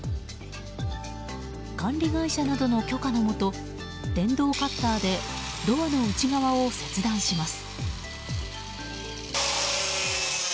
管理会社などの許可のもと電動カッターでドアの内側を切断します。